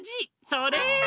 それ！